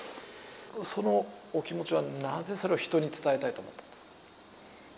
そのお気持ちはなぜそれを人に伝えたいと思ったんですか。